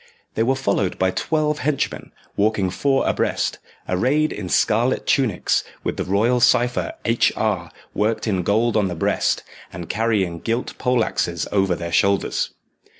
They were followed by twelve henchmen, walking four abreast, arrayed in scarlet tunics, with the royal cypher H.R. worked in gold on the breast, and carrying gilt poleaxes over their shoulders.